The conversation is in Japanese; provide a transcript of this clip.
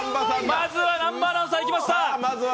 まずは南波アナウンサー行きました。